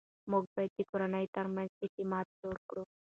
موږ باید د کورنۍ ترمنځ اعتماد جوړ کړو